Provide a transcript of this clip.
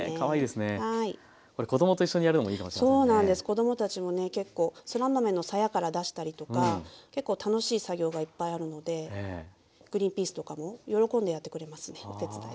子供たちもね結構そら豆のさやから出したりとか結構楽しい作業がいっぱいあるのでグリンピースとかも喜んでやってくれますねお手伝い。